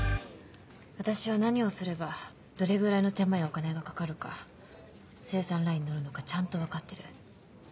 私は何をすればどれぐらいの手間やお金がかかるか生産ラインに乗るのかちゃんとわかってる。